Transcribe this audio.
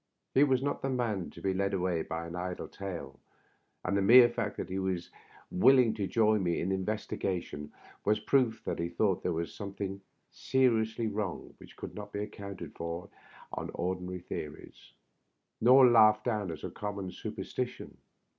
He was not the man to be led away by an idle tale, and the mere fact that he was willing to join me in the investigation was proof that he thought there was something seriously wrong which could not be accounted for on ordinary theories, nor laughed down as a common superstition.